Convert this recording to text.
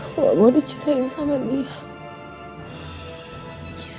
aku gak mau dicerahin sama dia